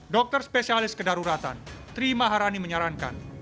dokter spesialis kedaruratan tri maharani menyarankan